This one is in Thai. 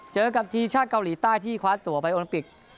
เจอกับทีมชาติเกาหลีใต้ที่คว้าตัวไปโอลิมปิก